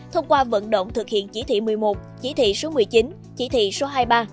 thông qua vận động thực hiện chỉ thị một mươi một chỉ thị số một mươi chín chỉ thị số hai mươi ba